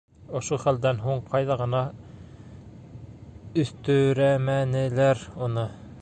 Ошо хәлдән һуң ҡайҙа ғына өҫтөрәмәнеләр уны.